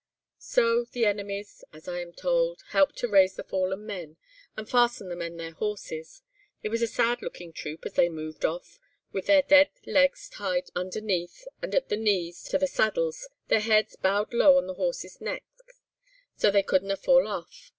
"So the enemies (as I'm tauld) helped to raise the fallen men, and fasten them on their horses. It was a sad looking troop, as they moved off, with their dead legs tied underneath, and at the knees, to the saddles, their heads bowed low on the horses' necks, so that they couldna fall off.